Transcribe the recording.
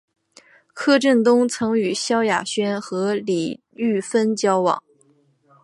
柯震东曾与萧亚轩和李毓芬交往。